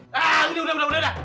nah ini udah udah udah udah